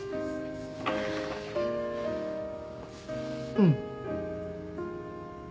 うん。